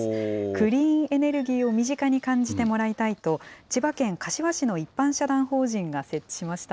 クリーンエネルギーを身近に感じてもらいたいと、千葉県柏市の一般社団法人が設置しました。